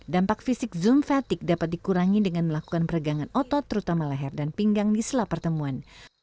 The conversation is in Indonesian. dampak fisik zoom fatigue dapat dikurangi dengan melakukan peregangan otot terutama leher dan pinggang di sela pertemuan